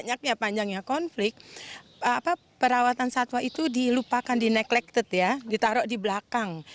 banyaknya panjangnya konflik perawatan satwa itu dilupakan di neclected ya ditaruh di belakang